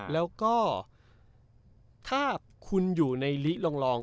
แล้วก็ถ้าคุณอยู่ในลิลอง